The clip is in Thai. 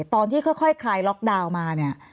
ตอนที่ค่อยคลายล็อกดาวน์มาเนี่ย